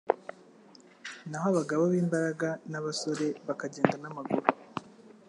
naho abagabo b'imbaraga n'abasore bakagenda n'amaguru.